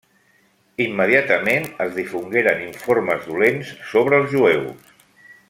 Immediatament es difongueren informes dolents sobre els jueus.